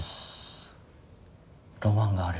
ロマンがある！